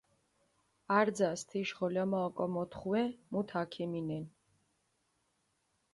არძას თიშ ღოლამა ოკო მოთხუე, მუთ აქიმინენ.